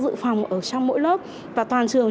dự phòng ở trong mỗi lớp và toàn trường